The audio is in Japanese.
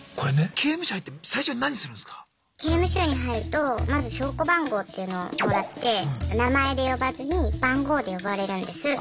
刑務所に入るとまず称呼番号っていうのをもらって名前で呼ばずに番号で呼ばれるんです。